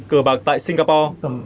cờ bạc tại singapore